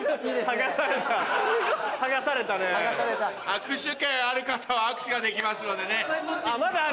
握手券ある方は握手ができますのでね。